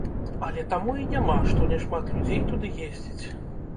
Але таму і няма, што няшмат людзей туды ездзіць.